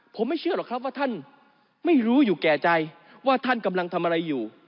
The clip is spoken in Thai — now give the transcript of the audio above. ผมไม่เชื่อหรอกครับว่าท่านไม่รู้อยู่แก่ใจว่าท่านกำลังทำอะไรอยู่